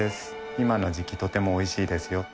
今の時季とてもおいしいですよ。